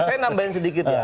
saya nambahin sedikit ya